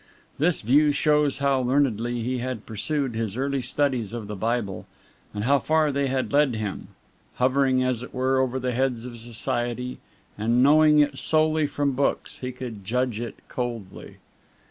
This view shows how learnedly he had pursued his early studies of the Bible, and how far they had led him. Hovering, as it were, over the heads of society, and knowing it solely from books, he could judge it coldly.